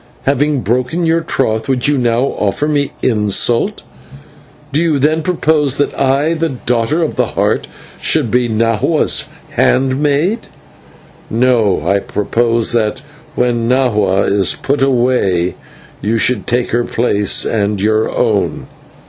Having broken your troth, would you now offer me insult? Do you then propose that I, the Daughter of the Heart, should be Nahua's handmaid?" "No, I propose that when Nahua is put away you should take her place and your own."